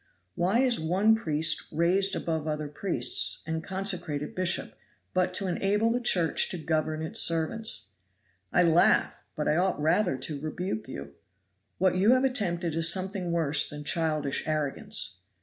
Why is one priest raised above other priests, and consecrated bishop, but to enable the Church to govern its servants. I laugh but I ought rather to rebuke you. What you have attempted is something worse than childish arrogance.